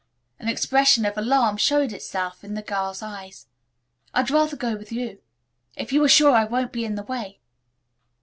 An expression of alarm showed itself in the girl's eyes. "I'd rather go with you, if you are sure I won't be in the way."